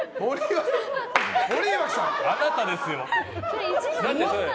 あなたですよ！